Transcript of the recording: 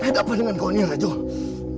beda apa dengan kau ini rajong